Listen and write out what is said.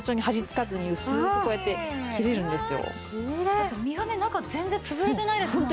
だって身がね中全然潰れてないですもんね。